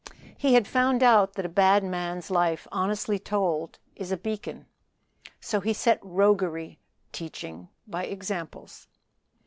He had found out that a bad man's life honestly told is a beacon. So he set "roguery teaching by examples."